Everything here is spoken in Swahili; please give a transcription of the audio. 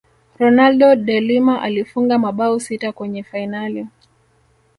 ronaldo de Lima alifunga mabao sita kwenye fainali